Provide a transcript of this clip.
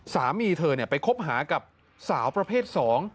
สามีเธอไปคบหากับสาวประเภท๒